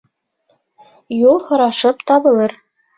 Юл һорашып табылыр.